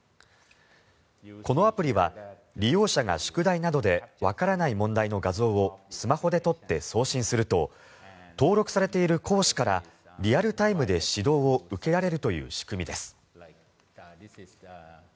このアプリは利用者が宿題などでわからない問題の画像をスマホで撮って送信すると登録されている講師からリアルタイムで指導を受けられるという仕組みです。